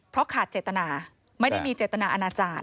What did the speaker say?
เพราะขาดเจตนาไม่ได้มีเจตนาอนาจารย